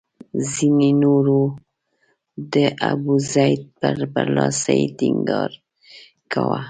ځینو نورو د ابوزید پر برلاسي ټینګار کاوه.